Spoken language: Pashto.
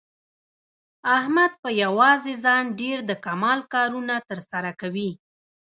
احمد په یووازې ځان ډېر د کمال کارونه تر سره کوي.